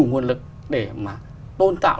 nguồn lực để mà tôn tạo